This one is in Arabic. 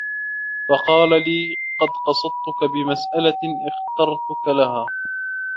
فَقَالَ لِي قَدْ قَصَدْتُك بِمَسْأَلَةٍ اخْتَرْتُك لَهَا